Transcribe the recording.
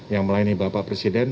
yang lainnya bapak presiden